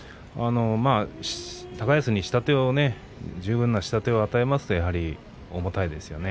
高安に十分に下手を与えますと重たいですよね。